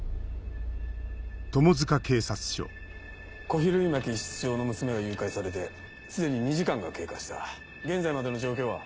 小比類巻室長の娘が誘拐されて既に２時間が経過した現在までの状況は？